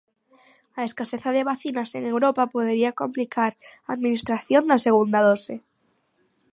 A escaseza de vacinas en Europa podería complicar a administración da segunda dose.